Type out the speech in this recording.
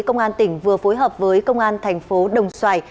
công an tỉnh vừa phối hợp với công an tp đồng xoài